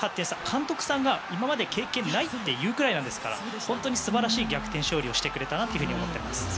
監督さんが今まで経験ないというぐらいですから本当に素晴らしい逆転勝利をしてくれたなと思っています。